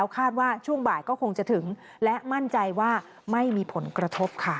คาดว่าช่วงบ่ายก็คงจะถึงและมั่นใจว่าไม่มีผลกระทบค่ะ